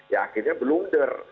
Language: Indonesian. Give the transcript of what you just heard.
ya akhirnya blunder